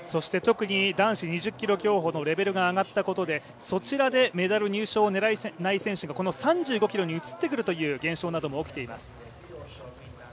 特に男子２０ｋｍ競歩のレベルが上がったことでそちらでメダル入賞を狙えない選手が３５ｋｍに移ってくるという現象なども起きています。